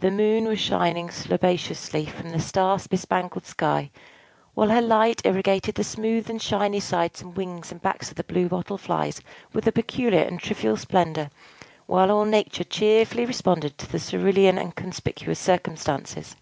The Moon was shining slobaciously from the star bespangled sky, while her light irrigated the smooth and shiny sides and wings and backs of the Blue Bottle Flies with a peculiar and trivial splendor, while all Nature cheerfully responded to the cerulean and conspicuous circumstances.